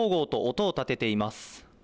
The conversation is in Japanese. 音を立てています。